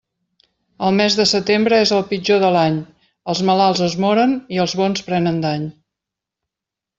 El mes de setembre és el pitjor de l'any; els malalts es moren i els bons prenen dany.